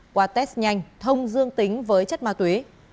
qua test nhanh thông dương tính với chất ma túy